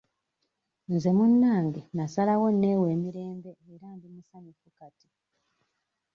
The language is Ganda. Nze munnange nnasalawo neewe emirembe era ndi musanyufu kati.